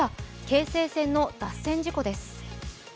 京成線の脱線事故です。